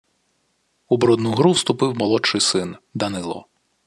У брудну гру вступив молодший син – Данило